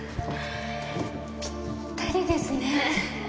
ぴったりですね。